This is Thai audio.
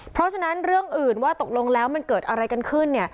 เพราะฉะนั้นเรื่องอื่นว่าตกลงแล้วมันเกิดอะไรกันขึ้นเนี่ย